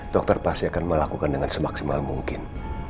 dokter pasti akan melakukan dengan semaksimal mungkin